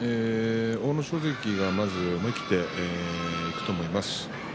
阿武咲関がまず思い切っていくと思います。